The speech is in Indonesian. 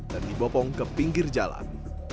dan dibopong ke pinggir jalan